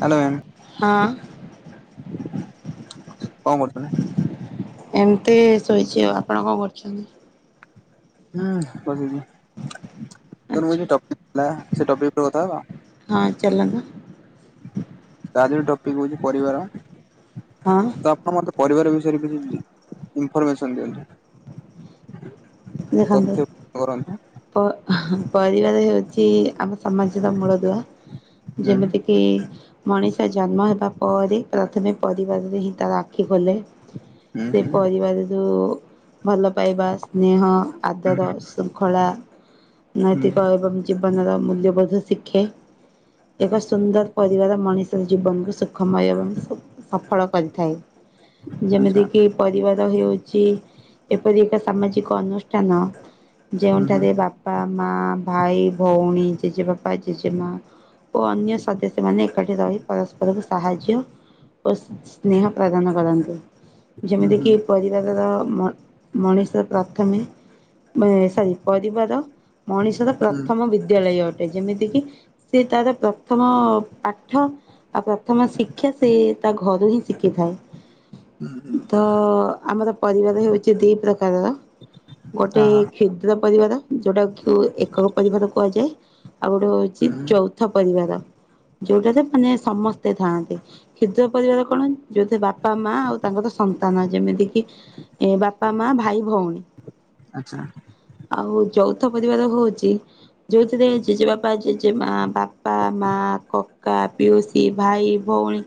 Hello ma'am ହଁ। କଣ କରୁଛ ଏଇନା? ଏମତି ଶୋଇଛି ଆଉ, ଆପଣ କଣ କରୁଛନ୍ତି? ହୁଁ ବସିଛି, ତମର ଆଚ୍ଛା କିଛି ଟପିକ୍ ଥିଲା ସେ ଟପିକ୍ ଉପରେ କଥା ହେବା? ହଁ ଚାଲନ୍ତୁ। ଆଜି ଗୋଟେ ଟପିକ ହଉଛି ପରିବାର, ହଁ ତ ଆପଣ ମତେ ପରିବାର ବିଷ ୟରେ କିଛି ଇନଫର୍ମେସନ ଦିଅନ୍ତୁ। ଦେଖନ୍ତୁ ତଥ୍ୟ କରନ୍ତୁ। ପ-ପରିବାର ହେଉଛି ଆମ ସମାଜର ମୂଳଦୁଆ, ହୁଁ ଯେମିତି କିି ମଣିଷ ଜନ୍ମ ହେବା ପରେ ପ୍ରଥମେ ପରିବାରରେ ହିଁ ତାର ଆଖି ଖୋଲେ। ହୁଁ ସେ ହୁଁ ପରିବାର ଯୋଉ ଭଲ ପାଇବା ସ୍ନେହ ଆଦର ଶୃଙ୍ଖଳା ହୁଁ ନୈତିକ ହୁଁ ଆୟଭବ ଜୀବନର ମୂଲ୍ୟବୋଧ ଶିଖେ। ଏକ ସୁନ୍ଦର ପରିବାର ମଣିଷର ଜୀବନକୁ ସୁଖମୟ ଏବଂ ଶୁ ସଫଳ କରିଥାଏ। ଆଚ୍ଛା ଯେମିତି କିି ପରିବାର ହେଉଛି ଏପରି ଏକ ସାମାଜିକ ଅନୁଶ୍ ଷ୍ଠାନ ହୁଁ ହୁଁ ଯେଉଁଠାରେ ବାପା ମା, ଭାଇ, ଭଉଣୀ, ଜେଜେବାପା, ଜେଜେମା। ଓ ଅନ୍ୟ ସଦସ୍ୟ ମାନେ ଏକାଠି ରହି ପରସ୍ପରକୁ ସାହାଯ୍ୟ ଓ ସ୍ନେହ ପ୍ରଦାନ କରନ୍ତି। ହୁଁ ଯେମିତି କିି ହୁଁ ପରିବାରର ମଣିଷ ପ୍ରଥମେ ମାନେ ସରି ପରିବାର ମଣିଷର ହୁଁ ପ୍ରଥମ ବିଦ୍ୟାଳୟ ଅଟେ, ଯେମିତି କିି ସେ ତାର ପ୍ରଥମ ପାଠ ଆଉ ପ୍ରଥମ ଶିକ୍ଷା ସେ ତା ଘରୁ ହିଁ ଶିଖିଥାଏ। ହୁଁ ହୁଁ ତ ଆମର ପରିବାର ହଉଛି ଦିଇ ପ୍ରକାରର। ଗୋଟେ ହଁ ହଁ କ୍ଷୁଦ୍ର ପରିବାର ଯୋଉଟାକୁ ଏକକ ପରିବାର କୁହାଯାଏ। ଆଉ ଗୋଟେ ହେଉଛି ହୁଁ ଯୌଥ ପରିବାର। ଯୋଉଟାରେ ମାନେ ସମସ୍ତେ ଥାଆନ୍ତି, କ୍ଷୁଦ୍ର ପରିବାର କଣ ଯୋଉଥୀରେ ବାପା ମା ଆଉ ତାଙ୍କର ସ ନ୍ତାନ ଯେମିତି କିି ବାପା, ମା, ଭାଇ, ଭଉଣୀ। ଆଚ୍ଛା ଆଉ ଯଉ ଥ ପରିବାର ହଉଛି ଯୋଉଥିରେ ଜେଜେବାପା, ଜେଜେମା, ବାପା, ମା, କ କା, ପିଉସୀ, ଭାଇ, ଭଉଣୀ,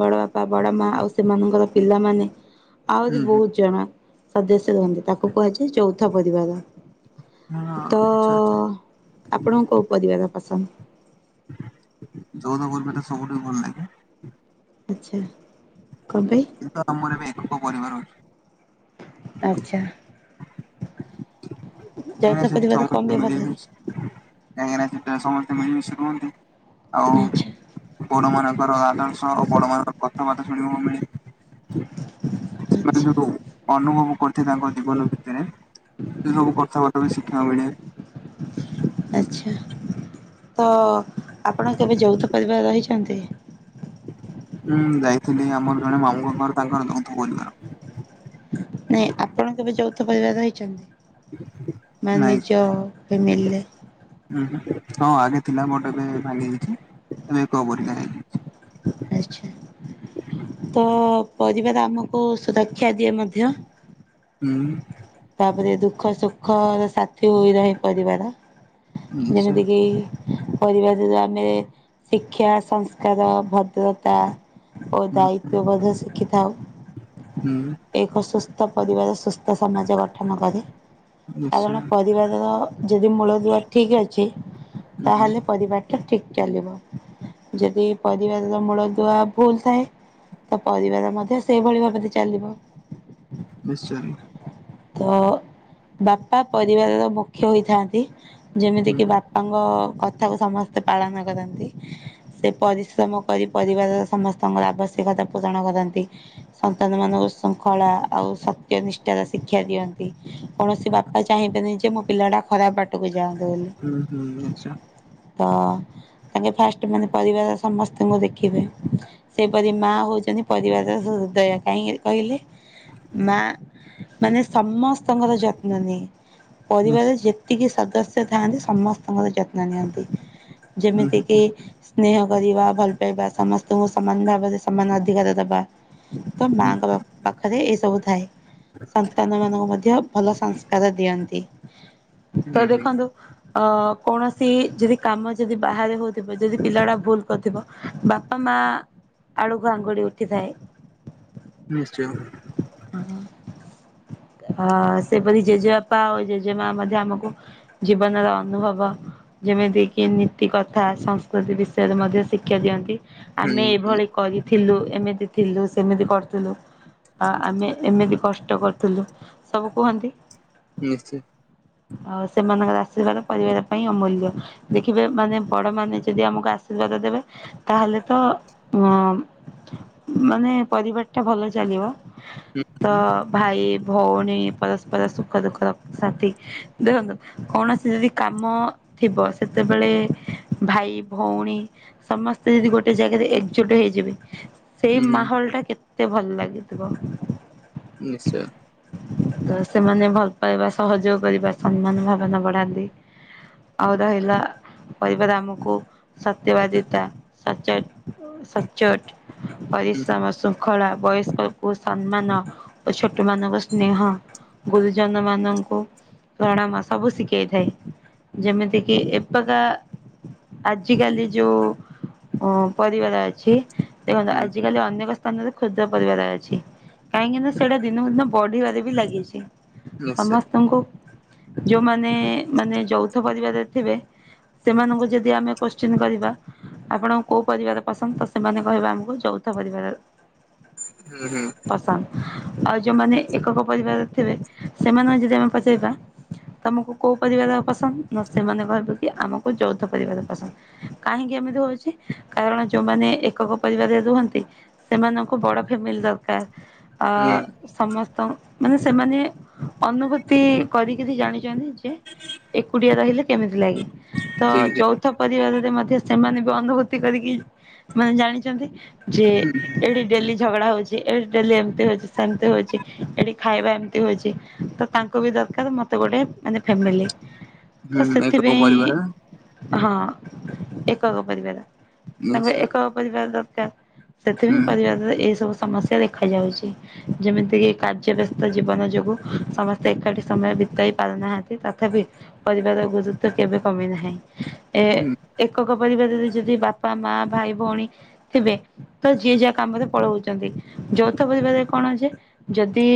ବଡ଼ ବାପା, ବଡ଼ ମା ଆଉ ସେମାନଙ୍କର ପିଲାମାନେ ଆହୁରି ହୁଁ ହୁଁ ବହୁତ ଜଣ ସଦସ୍ୟ ରୁହନ୍ତି, ତାକୁ କୁହାଯାଏ ଯୌଥ ପରିବାର। ହଁ ତ ଆଚ୍ଛା ଆଚ୍ଛା ଆପଣଙ୍କୁ କୋଉ ପରିବାର ପସନ୍ଦ? ଯୌଥ ପରିବାର ସବୁଠୁ ଭଲ ଲାଗେ। ଆଚ୍ଛା। କଣ ପାଇଁ? କିନ୍ତୁ ଆମର ଏବେ ଏକକ ପରିବାର ଅଛି। ଆଚ୍ଛା। କାହିଁକି ନା ଯୌଥ ସେଠି ପରିବାର କଣ ସମସ୍ତେ ପାଇଁ ଭଲ ଲାଗେ ମିଳିମିଶି ରୁହନ୍ତି। ଆଉ ଆଚ୍ଛା ବଡ ମାନଙ୍କର ଆଦର୍ଶ ଆଉ ବଡ ମାନଙ୍କର କଥାବାର୍ତ୍ତା। ଶୁଣିବାକୁ ମିଳେ। ସେମାନେ ଆଚ୍ଛା ଯୋଉ ଅନୁଭବ କର। ତାଙ୍କ ଜୀବନ ଭିତରେ ସେ ସବୁ କଥାବାର୍ତ୍ତା ବି ଶିଖିବାକୁ ମିଳେ। ଆଚ୍ଛା ତ ଆପଣ କେବେ ଯୌଥ ପରିବାରରେ ରହିଛନ୍ତି? ହୁଁ ଯାଇଥିଲି ଆମର ଜଣେ ମାମୁଙ୍କ ଘର ତାଙ୍କର ଯୌଥ ପରିବାର। ନାଇଁ ଆପଣ କେବେ ଯୌଥ ପରିବାରରେ ରହିଛନ୍ତି? ମାନେ ନାଇଁ ନିଜ ଫେମିଲିରେ? ହୁଁ ହୁଁ ହଁ ଆଗେ ଥିଲା ବଟ୍ ଏବେ ଭାଙ୍ଗି ଯାଇଛି। ଏବେ ଏକକ ପରିବାର ହେଇଯାଇଛି। ଆଚ୍ଛା। ତ ପରିବାର ଆମକୁ ସୁରକ୍ଷା ଦିଏ ମଧ୍ୟ। ହୁଁ। ତାପରେ ଦୁଃଖ ସୁଖର ସାଥି ହୋଇ ରହେ ପରିବାର ନିଶ୍ଚୟ ଯେମିତିକି ପରିବାରରୁ ଆମେ ଶିକ୍ଷା, ସଂସ୍କାର, ଭଦ୍ରତା ଓ ହୁଁ ଦାୟିତ୍ଵ ବୋଧ ଶିଖିଥାଉ ହୁଁ ଏକ ସୁସ୍ଥ ପରିବାର ସୁସ୍ଥ ସକ୍ଷମ କରେ। ନିଶ୍ଚୟ କାରଣ ପରିବାରର ଯଦି ମୂଳ ଦୁଆ ଠିକ ଅଛି ହୁଁ ହୁଁ ତାହେଲେ ପରିବାର ଟା ଠିକ ଚାଲିବ ଯଦି ପରିବାରର ମୂଳ ଦୁଆ ଭୁଲ ଥାଏ। ତ ପରିବାର ମଧ୍ୟ ସେଇଭଳି ଭାବରେ ଚାଲିବ। ନିଶ୍ଚୟ। ତ ବାପା ପରିବାରର ମୁଖ୍ୟ ହୋଇଥାନ୍ତି। ଯେମିତି କିି ବାପାଙ୍କ କଥାକୁ ସମସ୍ତେ ପାଳନ କରନ୍ତି। ସେ ପରିଶ୍ରମ କରି ପରିବାରର ସମସ୍ତଙ୍କର ଆବଶ୍ୟକ। ସେ କଥା ପୂରଣ କରନ୍ତି ସନ୍ତାନ ମାନଙ୍କ ଶୃଙ୍ଖଳା ଆଉ ସତ୍ୟ ନିଷ୍ଠାର ଶିକ୍ଷା। ଶିକ୍ଷା ଦିଅନ୍ତି। କୌଣସି ବାପା ଚାହିଁବେନି ଯେ ମୋ ପିଲାଟା ଖରାପ ବାଟକୁ ଯାଆନ୍ତୁ। ବୋଲି ହୁଁ ହୁଁ ନିଶ୍ଚୟ ତ ତାଙ୍କେ ଫାଷ୍ଟ ମାନେ ପରିବାର ସମସ୍ତଙ୍କୁ ଦେଖିବେ। ସେପରି ମା ହଉଚନ୍ତି ପରିବାରର ହୃଦୟା କାହିଁକି କହିଲେ ମା। ମାନେ ସମସ୍ତଙ୍କର ଯତ୍ନ ନିଏ ପରିବାର ନିଶ୍ଚ ଯେତିକି ସ ସଦସ୍ୟ ଥାନ୍ତି ସମସ୍ତଙ୍କର ଯତ୍ନ ନିଅନ୍ତି ହୁଁ ଯେମିତି ହୁଁ କିି ସ୍ନେହ କରିବା ଭଲ ପାଇବା ସମସ୍ତଙ୍କୁ ସମାନ ଭାବରେ ସମାନ ଅଧିକାର ଦବା। ତ ହୁଁ ମାଆଙ୍କ ପାଖରେ ଏସବୁ ଥାଏ। ସନ୍ତାନ ମାନଙ୍କୁ ମଧ୍ୟ ଭଲ ସଂସ୍କାର ଦିଅନ୍ତି ତ ହୁଁ ହୁଁ ଦେଖନ୍ତୁ ଅ କୌଣସି ଯଦି କାମ ଯଦି ବାହାରେ ହଉଥିବ ଯଦି ପିଲା ଟା ଭୁଲ କରିୁଥିବ ବାପା, ମା ମା ଆଡକୁ ଆଙ୍ଗୁଳି ଉଠିଥାଏ। ନିଶ୍ଚୟ। ଅ ସେପରି ଜେଜେବାପା ଆଉ ଜେଜେମା ମଧ୍ୟ ଆମକୁ ଜୀବନର ଅନୁଭବ ଯେମିତି କିି ନୀତି କଥା ସଂସ୍କୃତି ବିଷୟରେ ମଧ୍ୟ ଶିକ୍ଷା ଦିଅନ୍ତି। ହୁଁ ଆମେ ହୁଁ ଏଭଳି କରି ଥିଲୁ ଏମିତି ଥିଲୁ ସେମିତି କରିଥିଲୁ ଆ ଆମେ ଏମିତି। କଷ୍ଟ କରୁଥିଲୁ ସବୁ କୁହନ୍ତି। ନିଶ୍ଚୟ। ଆଉ ସେମାନଙ୍କର ଆଶୀର୍ବାଦ ପରିବାର ପାଇଁ ଅମୂଲ୍ୟ। ଦେଖିବେ ମାନେ ବଡ ମାନେ ଯଦି ଆମକୁ ଆସି ବାଦ ଦେବେ ତାହେଲେ ତ ଅ ମାନେ ପରିବାର ଟା ଭଲ ଚାଲିବ। ହୁଁ ତ ହୁଁ ଭାଇ ଭଉଣୀ ପରସ୍ପର ସୁଖ ଦୁଃଖର ସାଥି ଦେଖନ୍ତୁ କୌଣସି ଯଦି କାମ। ଥିବ ସେତେବେଳେ ଭାଇ ଭଉଣୀ ସମସ୍ତେ ଯଦି ଗୋଟେ ଜାଗାରେ ଏକଜୁଟ ହେଇ। ସେଇ ଉଁ ମାହୋଲ ଟା କେତେ ଭଲ ଲାଗିଥିବ। ନିଶ୍ଚୟ ତ ସେମାନେ ଭଲ ପାଇବା ସହଯୋଗ କରିବା ସମ୍ମାନ ଭାବନା ବଢାନ୍ତି। ଆଉ ରହିଲା ପରିବାର ଆମକୁ ସତ୍ୟବାଦିତା, ସଚେ ସଚ୍ଚୋଟ ହୁଁ ପରିଶ୍ରମ ଶୃଙ୍ଖଳା ବୟସ୍କକୁ ସମ୍ମାନ। ଓ ଛୋଟ ମାନଙ୍କ ସ୍ନେହ। ଗୁରୁଜନ ମାନଙ୍କୁ ପ୍ରଣାମ ସବୁ ଶିଖେଇଥାଏ। ଯେମିତି କିି ଏବେକା ଆଜିକାଲି ଯୋଉ ଅ, ପରିବାର ଅଛି। ଦେଖନ୍ତୁ ହୁଁ ଆଜିିକାଲି ଅନେକ ସ୍ଥାନରେ କ୍ଷୁଦ୍ର ପରିବାର ଅଛି। କାହିଁକି ନା ସେଇଟା ଦିନକୁ ଦିନ ବଢିବାରେ ବି ଲାଗିଛି। ନିଶ୍ଚୟ ସମସ୍ତଙ୍କୁ ଯୋଉମାନେ ମାନେ ଯୌଥ ପରିବାରରେ ଥିବେ। ସେମାନଙ୍କୁ ଯଦି ଆମେ କୋଶ୍ଚନ କରିବା ଆପଣଙ୍କୁ କୋଉ ପରିବାର ପସନ୍ଦ? ତ ସେମାନେ କହିବେ ଆମକୁ ଯୌ ଥ ପରିବାର। ହୁଁ, ହୁଁ। ପସନ୍ଦ ଆଉ ଯୋଉମାନେ ଏକକ ପରିବାରରେ ଥିବେ ସେମାନଙ୍କୁ ଯଦି ଆମେ ପଚାରିବା। ତୋମକୁ କୋଉ ପରିବାର ପସନ୍ଦ? ନା ସେମାନେ କହିବେ କି ଆମକୁ ଯୌଥ ପରିବାର ପସନ୍ଦ। କାହିଁକି ଏମିତି ହଉଛି କାରଣ ଯୋଉମାନେ ଏକକ ପରିବାରରେ ରୁହନ୍ତି ସେମାନଙ୍କୁ ବଡ ଫେମିଲି ଦରକାର। ଅ, ହୁଁ ସମସ୍ତ ମାନେ ସେମାନେ ଅନୁଭୂତି କରିକିରି ଜାଣିଚନ୍ତି ଯେ ଏକୁଟିଆ ରହିଲେ କେମିତି ଲାଗେ। ତ ଠିକ୍ ଠିକ୍ ଯୌଥ ପରିବାରରେ ମଧ୍ୟ ସେମାନେ ବି ଅନୁଭୂତି କରିକି ମାନେ ଜାଣିଚନ୍ତି ଯେ ଏଇଠି ଡେଲି ଝଗଡା ହଉଛି। ଯେ ଏଇଠି ଡେଲି ଏମ ତି ହଉଚି। ସେମତି ହଉଛି ଏଠି ଖାଇବା ଏମତି ହଉଛି। ତ ତାଙ୍କୁ ବି ଦରକାର ମୋତେ ଗୋଟେ ମାନେ ଫେ ମିଲି ତ ହୁଁ ଏକକ ସେଥିପାଇଁ ପରିବାର ହଁ ଏକକ ପରିବାର। ତାଙ୍କୁ ନିଶ୍ଚୟ ଏକକ ପରିବା ଦରକାର। ହୁଁ ସେଥିପାଇଁ ପରିବାରରେ ଏଇ ସବୁ ସମସ୍ୟା ଦେଖାାଯାଉଛି। କି ଯେମିତି କି କାର୍ଯ୍ୟ ବ୍ୟସ୍ତ ଜୀବନ ଯୋଗୁ ସମସ୍ତେ ଏକାଠି ସମୟ ବିତେଇ ପାରୁନାହାନ୍ତି। ତଥାପି ପରିବାରର ଗୁରୁତ୍ଵ କେବେ କମି ନାହିଁ। ଏ ହୁଁ ଏକ କ ପରିବାରରେ ଯଦି ବାପା, ମା, ଭାଇ, ଭଉଣୀ ଥିବେ ତ ଯିଏ ଯାହା କାମରେ ପଳଉଚନ୍ତି। ଯୌଥ ପରିବାରରେ କଣ ଯେ ଯଦି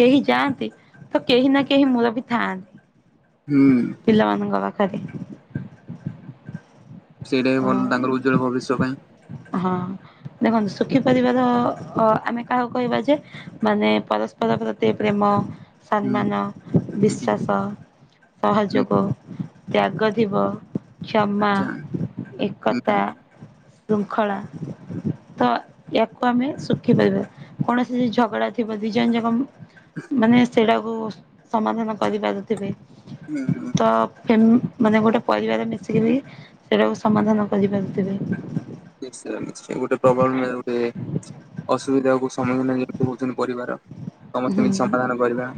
କେହି ଯାଆନ୍ତି ତ କେହି ନା କେହି ମୁରବି ଥାଆନ୍ତି। ହୁଁ ପିଲାମାନଙ୍କ ପାଖରେ। ସେଇଟା ବି ଭଲ ତାଙ୍କର ଉଜ୍ଜ୍ବଳ ଭବିଷ୍ୟ ପାଇଁ। ହଁ। ଦେଖନ୍ତୁ ସୁଖୀ ପରିବାର ଅ, ଆମେ କାହାକୁ କହିବା ଯେ? ମାନେ ପରସ୍ପର ପ୍ରତି ପ୍ରେମ ଓ ହୁଁ ସମ୍ମାନ, ହୁଁ ବିଶ୍ୱାସ, ହୁଁ ସହଯୋଗ ତ୍ୟାଗ ଥିବ, କ୍ଷମା, ଆଚ୍ଛା ହୁଁ ଏକତା ଶୃଙ୍ଖଳା। ତ ୟାକୁ ଆମେ ଶୁଖି ପରିବାର। କୌଣସି ଯଦି ଝଗଡା ଥିବ ଦି ଜଣ ଯାକ ମାନେ ସେଇଟାକୁ ସମାଧାନ କରିପାରୁଥିବେ। ନା, ନା। ତ ଫେମ ମାନେ ଗୋଟେ ପରିବାର ମିଶିକିରି ସେଇଟାକୁ ସମାଧାନ କରିପାରୁଥିବେ। ନିଶ୍ଚିତ ନିଶ୍ଚୟ ଗୋଟେ ପ୍ରଭାବ ନା ଗୋଟେ ଅସୁବିଧାକୁ ସମ୍ମୁଖୀନ ଏମିତି ହଉଛନ୍ତି ପରିବାର। ହୁଁ ସମସ୍ତେ ମିଶି ସମାଧାନ କରିବା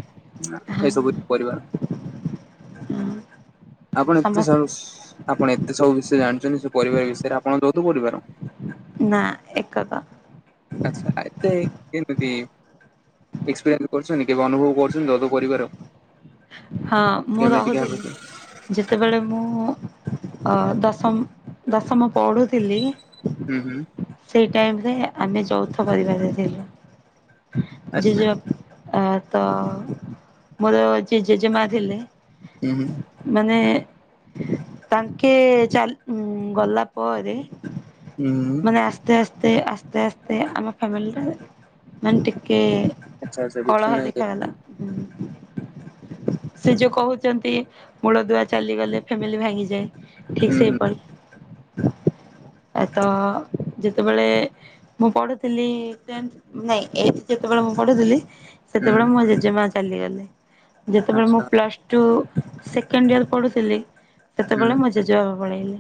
ଏସବୁ ପରିବାର। ହୁଁ। ଆପଣ ଏତେ ସବୁସ। ଆପଣ ଏତେ ସବୁ ବିଷୟ ଜାଣିଚ ଚନ୍ତି ସେ ପରିବାର ବିଷୟରେ ଆପଣ ଯୌଥ ପରିବାର? ନା ଏକକ। ଆଚ୍ଛା ଏତେ କେମିତି? ଏକ୍ସପିରେନ୍ସ କରିଛନ୍ତି? କେବେ ଅନୁଭବ କରିଛନ୍ତି ଯୌଥ ପରିବାର? ହଁ ମୁଁ କେମିତି କାହା ରହୁଥିଲି। ପ୍ରତି? ଯେତେବେଳେ ମୁଁ ଅ ଦଶମ ଦଶମ ପଢ଼ୁଥିଲି। ହୁଁ ହୁଁ। ଦେ ଆମେ ଯୌଥ ପରିବାରରେ ଥିଲୁ। ଆଚ୍ଛା ଜେଜେବା ଆ ତ ମୋର ଯିଏ ଜେଜେମା ଥିଲେ ହୁଁ ହୁଁ ମାନେ ତାଙ୍କେ ଚାଲ୍ ଉଁ ଗଲା ପରେ ହୁଁ ମାନେ ଆସ୍ତେ ଆସ୍ ତେ ଆସ୍ତେ ଆସ୍ତେ ଆମ ଫ୍ୟାମିଲିଟା ମାନେ ଟିକେ ଆଚ୍ଛା ଆଚ୍ଛା କଳହ ବିଚ୍ଛିନ୍ନ ହେଇଗଲେ ଦେଖାଗଲା। ସେ ଯୋଉ କହୁଚନ୍ତି ମୂଳଦୁଆ ଚାଲିଗଲେ ଫ୍ୟାମିଲି ଭାଙ୍ଗିଯାଏ। ଠିକ୍ ହୁଁ ହୁଁ ସେହିପରି। ଏ ତ ଯେତୋବେଳେ ମୁଁ ପଢୁଥିଲିଁ ଟେନ୍ଥ୍ ନାଇଁ ଏଇଟ୍ଥ୍ ଯେତୋବେଳେ ମୁଁ ପଢ଼ୁଥିଲି ହୁଁ ସେତୋବେଳେ ମୋ ଜେଜେମା ଚାଲିଗଲେ ଯେତୋବେଳେ ମୁଁ ଆଚ୍ଛା ପ୍ଲସ୍ ଟୁ ସେକେଣ୍ଡ୍ ଇୟର୍ ପଢ଼ୁଥିଲି ହୁଁ ସେତୋବେଳେ ମୋ ଜେଜେବାବା ପଳେଇଲେ।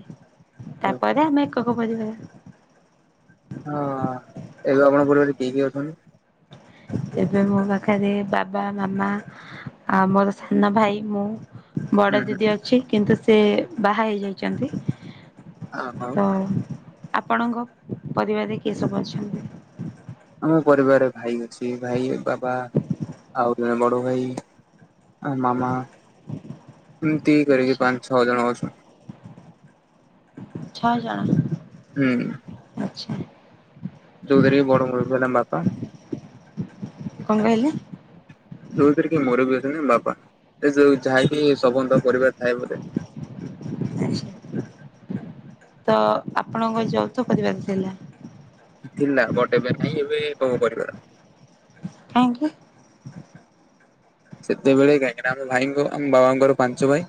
ଓହୋ ତାପରେ ଆମେ ଏକକ ପରିବାର। ହଁ ଏବେ ଆପଣଙ୍କ ପରିବାର କିଏ କିଏ ଅଛନ୍ତି? ଏବେ ମୋ ପାଖରେ ବାବା, ମାମା ଆଉ ମୋର ସାନ ଭାଇ ମୁଁ। ବଡ଼ ହୁଁ ହୁଁ ଦିଦି ଅଛି କିନ୍ତୁ ସେ ବାହା ହେଇ ଯାଇଚନ୍ତି। ଆ ହଉ ତ ଆପଣଙ୍କ ପରିବାରରେ କିଏ ସବୁ ଅଛନ୍ତି? ଆମ ପରିବାରରେ ଭାଇ ଅଛି, ଭାଇ, ବାବା ଆଉ ଜଣେ ବଡ଼ ଭାଇ। ଆ ମାମା ଏମତି କରିକିି ପାଁ ଛଅ ଜଣ ଅଛୁ। ଛଅ ଜଣ? ହୁଁ। ଚ୍ଛା। ଯୋଉଥିରେ କି ବଡ଼ ମୁରବି ହେଲା ମୋ ବାପା। କଁ କହିଲେ? ଯୋଉଥିରେ କି ମୁରବି ଅଛନ୍ତି ମୋ ବାପା। ଏ ଯୋଉ ଯାହାକି ସମସ୍ତଙ୍କ ପରିବାରରେ ଥାଏ ବୋଧେ। ଆଚ୍ଛା ତ ଆପଣଙ୍କ ଯୌଥ ପରିବାର ଥିଲା? ଥିଲା ବଟ୍ ଏବେ ନାଇଁ ଏବେ ଏକକ ପରିବାର। କାହିଁକି? ସେତେବେଳେ କାହିଁକି ନାଁ ଆମ ଭାଇଙ୍କ ଆମ ବାବାଙ୍କର ପାଞ୍ଚ ଭାଇ।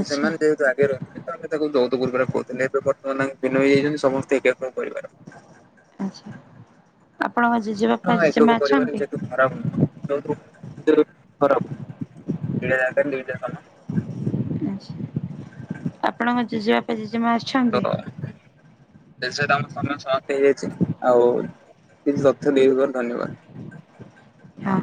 ତ ଆଚ୍ଛା ସେମାନେ ଯେହେତୁ ଆଗେ ରହୁଥୁଲେ ତ ଆମେ ତାକୁ ଯୌଥ ପରିବାର କୋହୁଥୁଲେ। ଏବେ ବର୍ତ୍ତମାନ ଆଉ ଭିନ୍ନ ହୋଇଯାଇଚନ୍ତି ସମସ୍ତେ ଏକକ ପରିବାର। ଆଚ୍ଛା ଆପଣଙ୍କ ଜେଜେବାପା ହଁ, ଜେଜେମା ଏକକ ପରିବାର ବି ଅଛନ୍ତି? ଯେହେତୁ ଖରାପ ନୁହଁ ଯୌଥ ତେରୁ ଖରାପ୍ ଦୁଇଟା ଯାକ ଦୁଇଟା ଖନ ଆଚ୍ଛା ଆପଣଙ୍କ ଜେଜେବାପା, ଜେଜେମା ଅଛନ୍ତି? ଜେଜେ ତାଙ୍କ ସମୟ ସପ୍ତ ହେଇଯାଇଚି ଆଉ କିଛି ତଥ୍ୟ ଦେଇଥିବାରୁ ଧନ୍ୟବାଦ୍। ହଁ।